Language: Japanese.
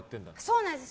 そうなんです。